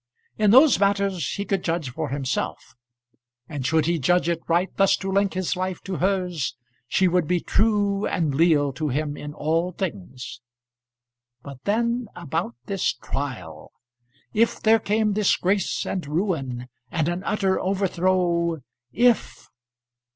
In those matters, he could judge for himself; and should he judge it right thus to link his life to hers, she would be true and leal to him in all things. But then, about this trial. If there came disgrace and ruin, and an utter overthrow? If